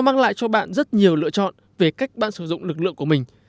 mang lại cho bạn rất nhiều lựa chọn về cách bạn sử dụng lực lượng của mình